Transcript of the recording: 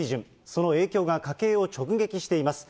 その影響が家計を直撃しています。